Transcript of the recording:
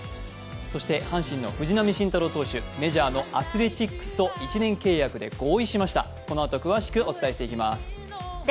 そして、阪神の藤浪晋太郎投手、メジャーのアスレチックスと１年契約で合意しました。